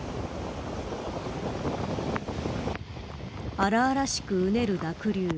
荒々しくうねる濁流。